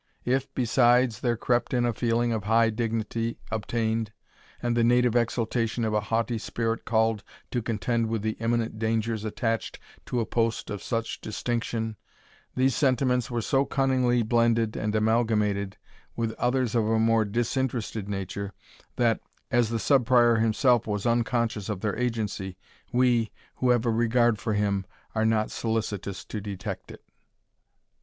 If, besides, there crept in a feeling of a high dignity obtained, and the native exultation of a haughty spirit called to contend with the imminent dangers attached to a post of such distinction, these sentiments were so cunningly blended and amalgamated with others of a more disinterested nature, that, as the Sub Prior himself was unconscious of their agency, we, who have a regard for him, are not solicitous to detect it.